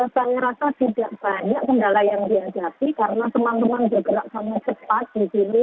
saya rasa tidak banyak kendala yang dihadapi karena teman teman bergerak sangat cepat di sini